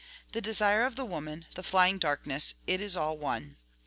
The desire of the woman, the flying darkness, it is all one!